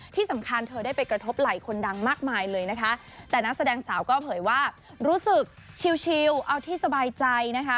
ที่สำคัญเธอได้ไปกระทบไหล่คนดังมากมายเลยนะคะแต่นักแสดงสาวก็เผยว่ารู้สึกชิวเอาที่สบายใจนะคะ